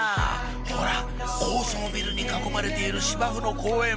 ほら高層ビルに囲まれている芝生の公園